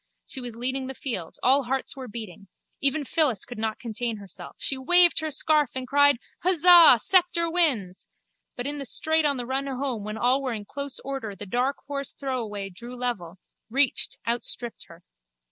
She was leading the field. All hearts were beating. Even Phyllis could not contain herself. She waved her scarf and cried: Huzzah! Sceptre wins! But in the straight on the run home when all were in close order the dark horse Throwaway drew level, reached, outstripped her.